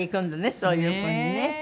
そういうふうにね。